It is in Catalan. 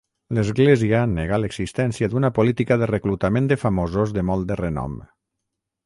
L'església nega l'existència d'una política de reclutament de famosos de molt de renom.